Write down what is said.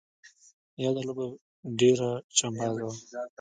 یاده لوبه ډېره چمبازه وه.